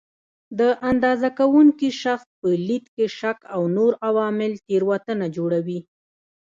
د اندازه کوونکي شخص په لید کې شک او نور عوامل تېروتنه جوړوي.